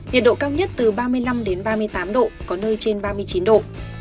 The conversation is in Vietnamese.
nhiệt độ cao nhất từ ba mươi năm đến ba mươi tám độ có nơi trên ba mươi chín độ